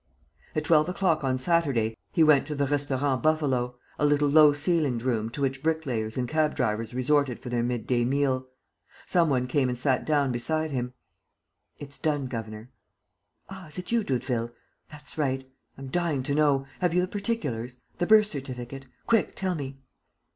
At twelve o'clock on Saturday, he went to the Restaurant Buffalo, a little low ceilinged room to which brick layers and cab drivers resorted for their mid day meal. Some one came and sat down beside him: "It's done, governor." "Ah, is it you, Doudeville? That's right! I'm dying to know. Have you the particulars? The birth certificate? Quick, tell me."